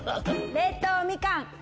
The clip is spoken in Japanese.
冷凍みかん。